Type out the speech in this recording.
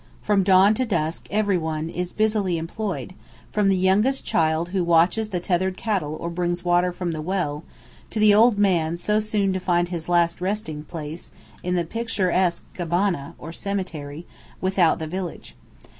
From dawn to dark everyone is busily employed, from the youngest child who watches the tethered cattle or brings water from the well, to the old man so soon to find his last resting place in the picturesque "gabana" without the village.